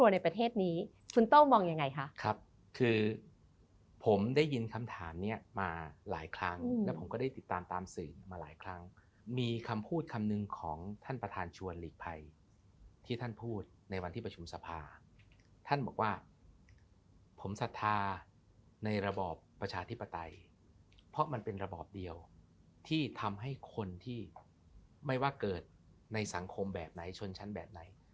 ในประเทศนี้คุณโต้มองยังไงคะครับคือผมได้ยินคำถามนี้มาหลายครั้งแล้วผมก็ได้ติดตามตามสื่อมาหลายครั้งมีคำพูดคำหนึ่งของท่านประธานชวนหลีกภัยที่ท่านพูดในวันที่ประชุมสภาท่านบอกว่าผมศรัทธาในระบอบประชาธิปไตยเพราะมันเป็นระบอบเดียวที่ทำให้คนที่ไม่ว่าเกิดในสังคมแบบไหนชนชั้นแบบไหน